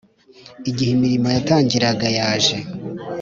igihe imirimo yatangiraga yaje.